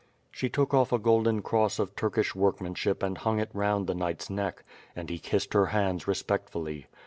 She took off a golden cross of Turkish workmanship and hung it round the knight's neck, and he kissed her hands respectfully.